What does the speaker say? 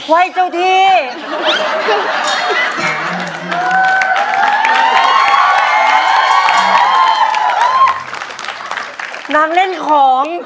ไม่น่าเชื่อเลยค่ะแบบโอ้โห